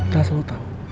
gak asal lo tau